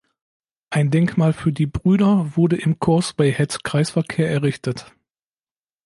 Ein Denkmal für die Brüder wurde im Causewayhead-Kreisverkehr errichtet.